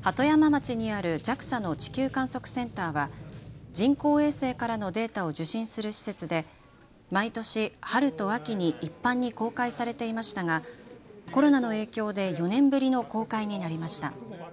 鳩山町にあるＪＡＸＡの地球観測センターは人工衛星からのデータを受信する施設で毎年、春と秋に一般に公開されていましたがコロナの影響で４年ぶりの公開になりました。